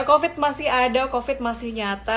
covid masih ada covid masih nyata